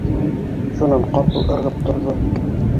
Шунан ҡапыл ырғып торҙо: